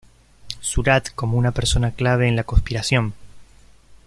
Surratt como una persona clave en la conspiración.